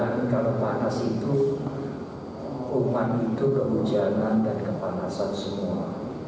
karena kalau hujan kalau panas itu umat itu kehujanan dan kepanasan semua